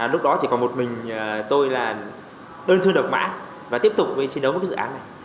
lúc đó chỉ còn một mình tôi là đơn thư độc mã và tiếp tục với chiến đấu với cái dự án này